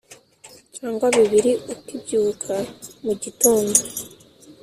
cyangwa bibiri ukibyuka mu gitondo,